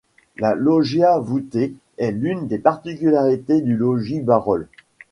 La loggia voûtée est l'une des particularités du logis Barrault.